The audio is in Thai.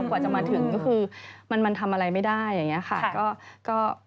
กว่าจะมาถึงก็คือมันทำอะไรไม่ได้อย่างนี้ค่ะ